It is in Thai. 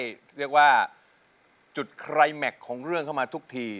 แต่ตอนนี้โอ้โหใกล้เรียกว่าจุดไครแมคของเรื่องเข้ามาทุกที